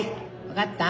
分かった？